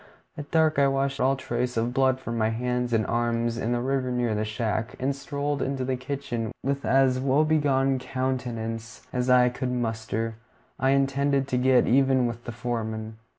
At dark I washed all trace of blood from my hands and arms in the river near the shack, and strolled into the kitchen with as woebegone a countenance as I could muster. I intended to get even with the foreman.